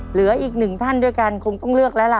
เหลืออีกหนึ่งท่านด้วยกันคงต้องเลือกแล้วล่ะ